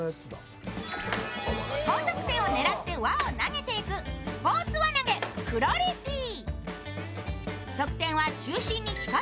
高得点を狙って輪を投げていくスポーツ輪投げ、クロリティー。